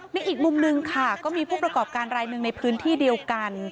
อีกมุมนึงค่ะก็มีผู้ประกอบการรายหนึ่งในพื้นที่เดียวกัน